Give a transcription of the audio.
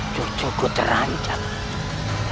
jujur ku cerahin jangan